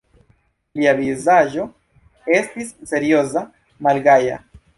Lia vizaĝo estis serioza, malgaja.